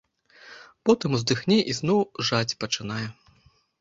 Потым уздыхне і зноў жаць пачынае.